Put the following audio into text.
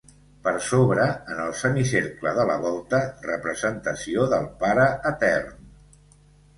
Per sobre, en el semicercle de la volta, representació del Pare Etern.